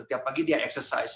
tiap pagi dia berlatih